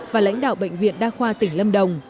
và lãnh đạo bệnh viện đa khoa tỉnh lâm đồng